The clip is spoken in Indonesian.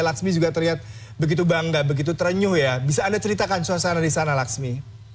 laksmi juga terlihat begitu bangga begitu terenyuh ya bisa anda ceritakan suasana di sana laksmi